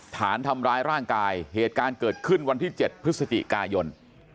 ฐานทำร้ายร่างกายเหตุการณ์เกิดขึ้นวันที่๗พฤศจิกายน